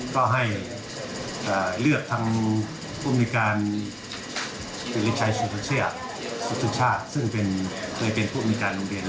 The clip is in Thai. ก็ให้เลือกทางภูมิการศึกษาชาติซึ่งเป็นภูมิการโรงเรียน